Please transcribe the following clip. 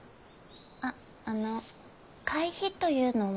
あっあの会費というのは？